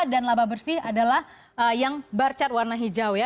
dan laba bersih adalah yang barcat warna hijau ya